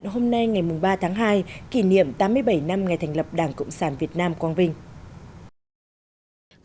hôm nay ngày ba tháng hai kỷ niệm tám mươi bảy năm ngày thành lập đảng cộng sản việt nam quang vinh